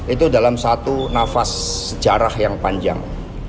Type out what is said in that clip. itu dalam satu nafas sejarah yang panjang